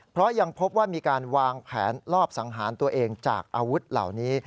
เพราะยังพบว่ามีการวางแผนลอบสังหารตัวเองจากอาวุธเหล่านี้